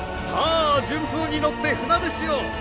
さあ順風に乗って船出しよう！